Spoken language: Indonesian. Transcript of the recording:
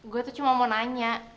gue tuh cuma mau nanya